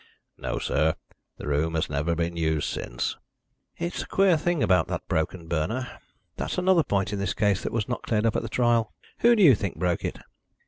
"No, sir. The room has never been used since." "It's a queer thing about that broken burner. That's another point in this case that was not cleared up at the trial. Who do you think broke it?"